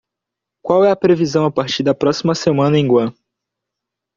qual é a previsão a partir da próxima semana em Guam